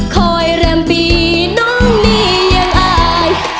คอยแรมปีน้องนี่ยังไอ